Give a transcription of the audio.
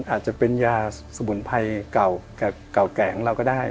อาจจะเป็นยาสมุนไพรเก่าแก่ของเราก็ได้